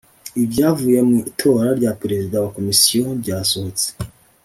Ibyavuye mu itora rya Perezida wa komisiyo byasohotse